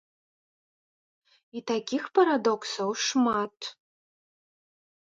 І такіх парадоксаў шмат.